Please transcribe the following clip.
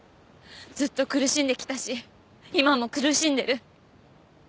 ずっと苦しんできたし今も苦しんでる。